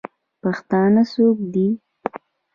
پښتانه څوک دئ؟